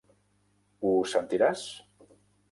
Ho sentiràs?